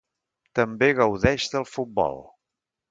També gaudeix del futbol.